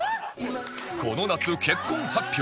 この夏結婚発表